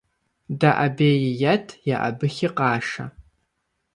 ДэӀэбеи ет, еӀэбыхи къашэ.